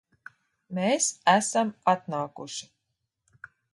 Mēs esam atnākuši